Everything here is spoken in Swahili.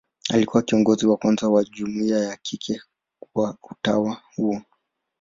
Alikuwa kiongozi wa kwanza wa jumuia ya kike wa utawa huo.